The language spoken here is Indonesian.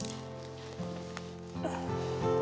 masih ada yang mau ngambil